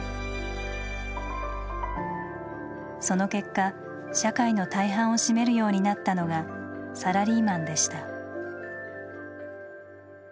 その結果社会の大半を占めるようになったのがサラリーマンでした。